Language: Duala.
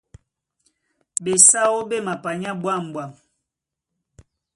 Ɓesáó ɓáō ɓé mapanyá ɓwǎm̀ɓwam.